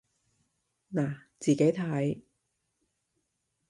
嗱，自己睇